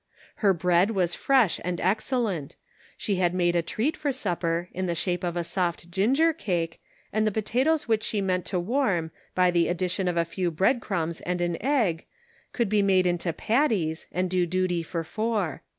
Her bread was fresh and excellent; she had made a treat for supper in the shape of a soft ginger cake, and the potatoes which she meant to warm, by the addition of a few bread crumbs and an egg, could be made into " patties," and do duty for four.